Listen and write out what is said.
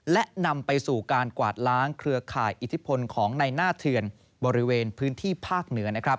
และนำไปสู่การกวาดล้างเครือข่ายอิทธิพลของในหน้าเถื่อนบริเวณพื้นที่ภาคเหนือนะครับ